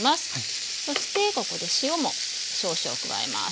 そしてここで塩も少々加えます。